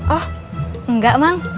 oh enggak mang